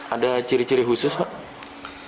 ada ciri ciri khusus pak